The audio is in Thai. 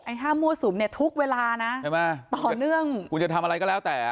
ห้ามมั่วสุมเนี่ยทุกเวลานะใช่ไหมต่อเนื่องคุณจะทำอะไรก็แล้วแต่